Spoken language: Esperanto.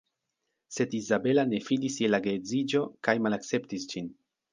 Sed Izabela ne fidis je la geedziĝo kaj malakceptis ĝin.